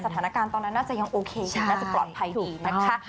สถานการณ์ตอนนั้นน่าจะยังโอเคยังน่าจะปลอดภัยดีนะคะ